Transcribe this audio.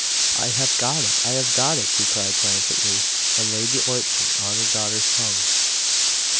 'I have got it! I have got it!' she cried triumphantly, and laid the ointment on her daughter's tongue.